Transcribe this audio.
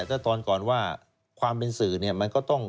แต่ตอนก่อนว่าความเป็นสื่อมันก็ต้อง